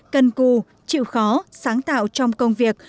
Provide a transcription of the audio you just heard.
cân cù chịu khó sáng tạo trong công việc